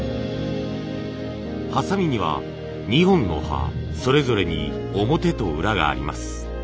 鋏には２本の刃それぞれに表と裏があります。